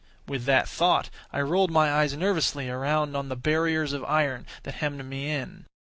With that thought I rolled my eves nervously around on the barriers of iron that hemmed me in.